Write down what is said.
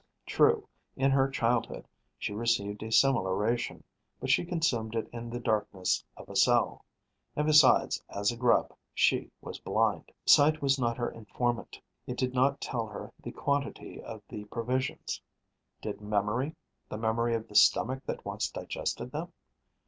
True, in her childhood she received a similar ration, but she consumed it in the darkness of a cell; and besides, as a grub, she was blind. Sight was not her informant: it did not tell her the quantity of the provisions. Did memory, the memory of the stomach that once digested them?